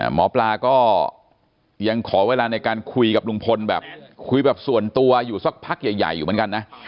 หมอปลาก็ยังขอเวลาในการคุยกับลุงพลแบบคุยแบบส่วนตัวอยู่สักพักใหญ่อยู่เหมือนกันนะ